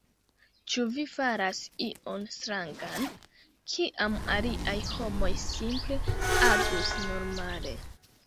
Ĉu vi faras ion strangan, kiam aliaj homoj simple agus normale.